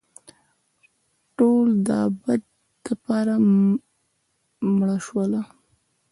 ټول دابد دپاره مړه شوله